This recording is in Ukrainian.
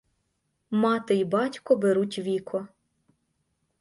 Мати й батько беруть віко.